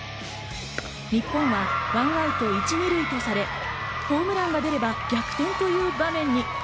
日本は１アウト１塁２塁とされ、ホームランが出れば逆転という場面に。